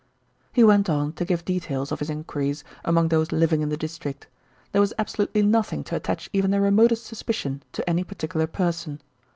He went on to give details of his enquiries among those living in the district. There was absolutely nothing to attach even the remotest suspicion to any particular person.